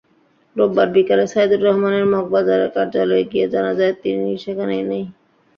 রোববার বিকেলে সাইদুর রহমানের মগবাজারের কার্যালয়ে গিয়ে জানা যায়, তিিন সেখানে নেই।